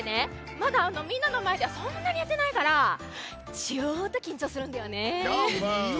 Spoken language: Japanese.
まだみんなのまえではそんなにやってないからちょっときんちょうするんだよね。